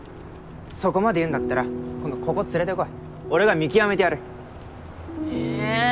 そこまで言うんだったら今度ここ連れてこい俺が見極めてやるえ